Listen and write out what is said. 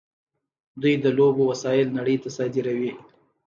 دوی د لوبو وسایل نړۍ ته صادروي.